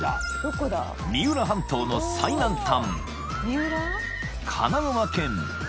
［三浦半島の最南端］